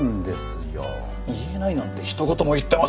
言えないなんてひと言も言ってませんよ。